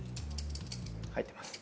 入ってます。